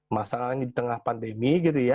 masalahnya di tengah pandemi